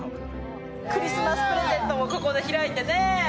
クリスマスプレゼントをここで開いてね。